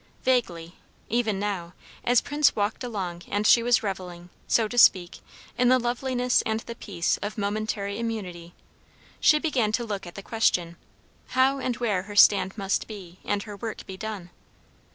Vaguely, even now, as Prince walked along and she was revelling, so to speak, in the loveliness and the peace of momentary immunity, she began to look at the question, how and where her stand must be and her work be done.